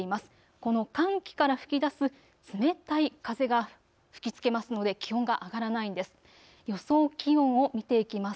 この寒気から吹き出す冷たい風が吹きつけますので気温が上がらないんです。